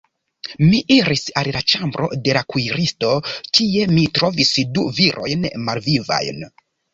Mi iris al la ĉambro de la kuiristo, kie mi trovis du virojn malvivajn.